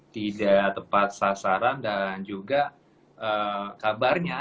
tidak tepat sasaran dan juga kabarnya